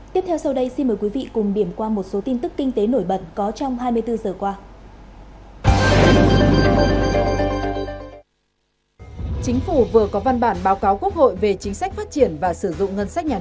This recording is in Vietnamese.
tiếp theo sau đây xin mời quý vị cùng điểm qua một số tin tức kinh tế nổi bật